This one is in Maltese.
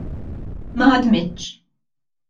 Ma ħadmitx.